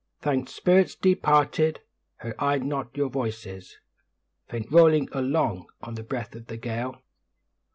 Thanks, spirits departed! heard I not your voices Faint rolling along on the breath of the gale?